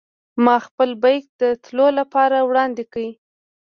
ما خپل بېک د تللو لپاره وړاندې کړ.